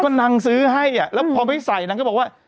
ก็นางซื้อให้และพอไม่ใส่นางก็บอกว่า